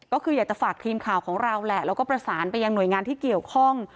ก็คืออยากจะฝากทีมข่าวของเราแหละแล้วก็ประสานไปยังหน่วยงานที่เกี่ยวข้อง